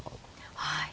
はい。